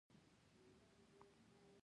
ژبه د خیانت سپیناوی نه شي کېدای.